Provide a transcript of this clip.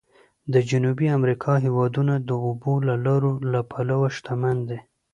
د جنوبي امریکا هېوادونه د اوبو د لارو له پلوه شمن دي.